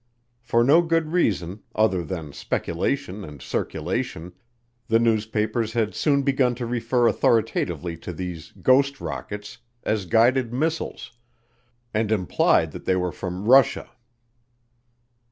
For no good reason, other than speculation and circulation, the newspapers had soon begun to refer authoritatively to these "ghost rockets" as guided missiles, and implied that they were from Russia.